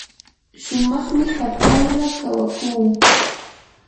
shumaqmi hapala kawakuu.